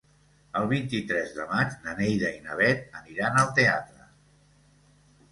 El vint-i-tres de maig na Neida i na Bet aniran al teatre.